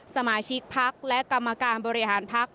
สมาชิกพักและกรรมการบริหารพัก